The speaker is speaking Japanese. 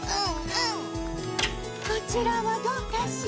こちらはどうかしら？